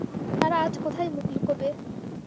তারা আজ কোথায় মুখ লুকোবে?